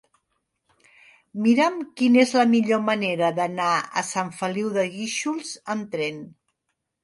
Mira'm quina és la millor manera d'anar a Sant Feliu de Guíxols amb tren.